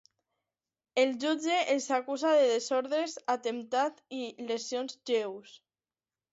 El jutge els acusa de desordres, atemptat i lesions lleus.